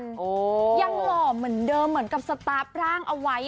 ยังหล่อเหมือนเดิมเหมือนกับสตาร์ฟร่างเอาไว้